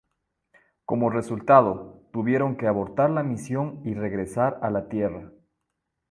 Como resultado, tuvieron que abortar la misión y regresar a la Tierra.